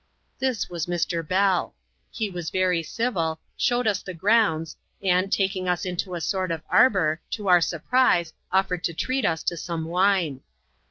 This was Mr. Bell. He was very civil ; showed us the grounds, and, taking us into a sort of arbour, to our surprise, offered to treat us to some wine.